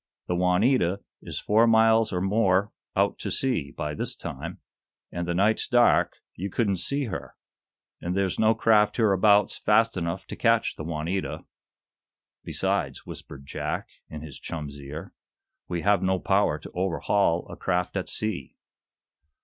"The 'Juanita' is four miles or more out to sea, by this time, and the night's dark you couldn't see her. And there's no craft hereabouts fast enough to catch the 'Juanita.'" "Besides," whispered Jack, in his chum's ear, "we have no power to overhaul a craft at sea."